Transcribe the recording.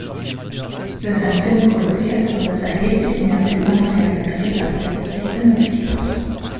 Wird ein Film produziert, so wird erheblich mehr Bildmaterial gedreht, als letztlich benötigt wird.